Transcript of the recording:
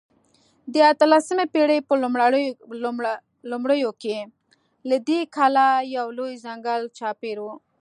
د اتلسمې پېړۍ په لومړیو کې له دې کلا یو لوی ځنګل چاپېر و.